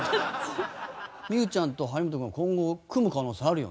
美宇ちゃんと張本君は今後組む可能性あるよね？